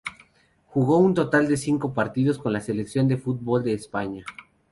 Jugó un total de cinco partidos con la selección de fútbol de España.